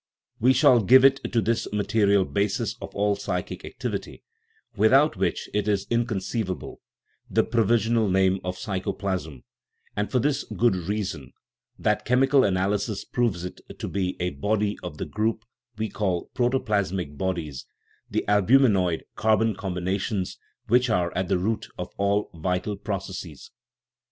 We shall give to this material basis of all psychic activity, without which it is inconceivable, 9 THE NATURE OF THE SOUL the provisional name of " psychoplasm "; and for this good reason that chemical analysis proves it to be a body of the group we call protoplasmic bodies the al buminoid carbon combinations which are at the root of all vital processes.